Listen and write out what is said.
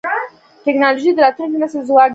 ټکنالوجي د راتلونکي نسل ځواک دی.